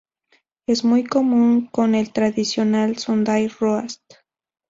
Es muy común con el tradicional "Sunday roast".